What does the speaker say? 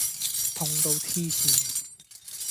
痛到痴線